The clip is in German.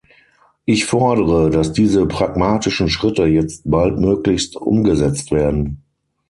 Ich fordere, dass diese pragmatischen Schritte jetzt baldmöglichst umgesetzt werden.